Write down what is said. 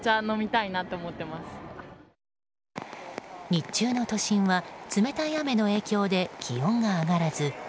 日中の都心は冷たい雨の影響で気温が上がらず。